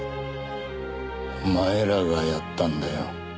お前らがやったんだよ。